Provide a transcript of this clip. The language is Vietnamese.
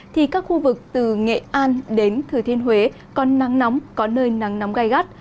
thì các khu vực từ nghệ an đến thừa thiên huế còn nắng nóng có nơi nắng nóng gai gắt